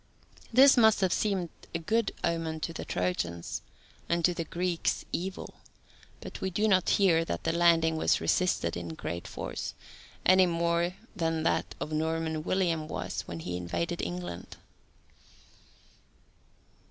This must have seemed a good omen to the Trojans, and to the Greeks evil, but we do not hear that the landing was resisted in great force, any more than that of Norman William was, when he invaded England.